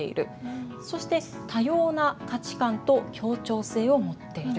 そして多様な価値観と協調性を持っている。